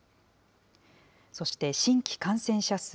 そして新規感染者数。